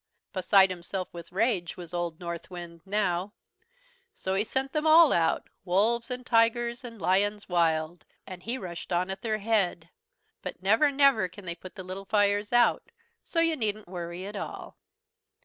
"Beside himself with rage was old Northwind now. So he sent them all out, wolves and tigers and lions wild, and he rushed on at their head. "But never, never can they put the little fires out, so you needn't worry at all."